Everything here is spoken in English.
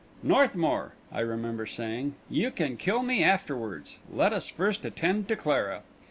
"Northmour," I remember saying, "you can kill me afterwards. Let us first attend to Clara."